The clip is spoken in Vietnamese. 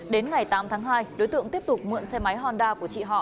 đến ngày tám tháng hai đối tượng tiếp tục mượn xe máy honda của chị họ